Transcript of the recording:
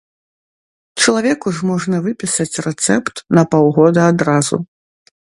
Чалавеку ж можна выпісаць рэцэпт на паўгода адразу!